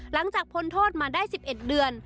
หลังจากพลโทษมาได้๑๑เดือน